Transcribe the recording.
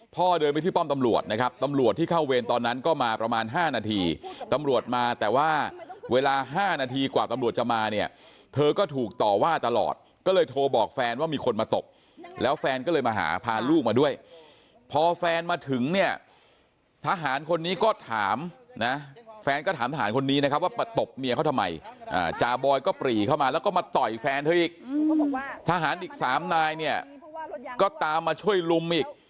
พ่อเดินไปที่ป้อมตำรวจนะครับตำรวจที่เข้าเวรตอนนั้นก็มาประมาณ๕นาทีตำรวจมาแต่ว่าเวลา๕นาทีกว่าตำรวจจะมาเนี่ยเธอก็ถูกต่อว่าตลอดก็เลยโทรบอกแฟนว่ามีคนมาตกแล้วแฟนก็เลยมาหาพาลูกมาด้วยพอแฟนมาถึงเนี่ยทหารคนนี้ก็ถามนะแฟนก็ถามทหารคนนี้นะครับว่าตกเมียเขาทำไมจ่าบอยก็ปรีเข้ามาแล้วก